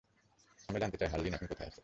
আমরা জানতে চাই হারলিন এখন কোথায় আছে।